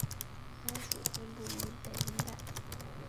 该属分布于北温带。